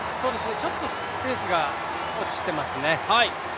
ちょっとペースが落ちていますね。